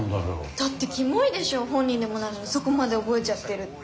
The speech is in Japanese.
だってキモいでしょ本人でもないのにそこまで覚えちゃってるって。